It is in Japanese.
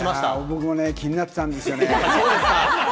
僕も気になってたんですよね。